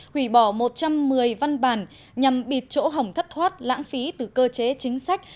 hủy bỏ một trăm một mươi văn bản nhằm bịt chỗ hỏng thất thoát lãng phí từ cơ chế chính sách